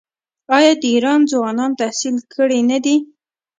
آیا د ایران ځوانان تحصیل کړي نه دي؟